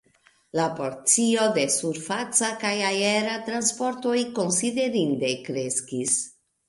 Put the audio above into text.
La porcio de surfaca kaj aera transportoj konsiderinde kreskis.